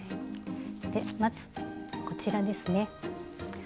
まずこちらですね。